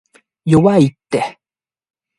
弱いって